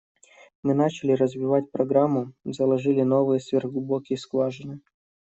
Мы начали развивать программу, заложили новые сверхглубокие скважины.